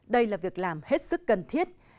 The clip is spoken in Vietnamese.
đây là việc làm hết sức cần thiết